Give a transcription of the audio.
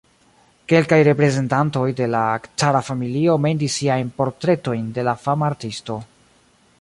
Kelkaj reprezentantoj de la cara familio mendis siajn portretojn de la fama artisto.